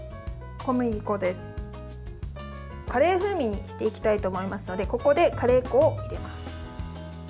カレー風味にしていきたいと思いますのでここでカレー粉を入れます。